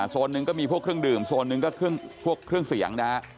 หนึ่งก็มีพวกเครื่องดื่มโซนนึงก็พวกเครื่องเสียงนะฮะ